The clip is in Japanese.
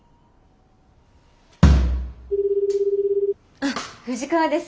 あっ藤川です。